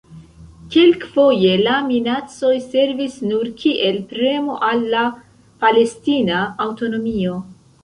Kelkfoje la minacoj servis nur kiel premo al la palestina aŭtonomio.